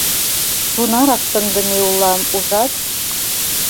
Тунарак сындыме улам, ужат?